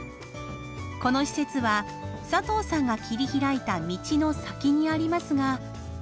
この施設は佐藤さんが切り拓いた道の先にありますが。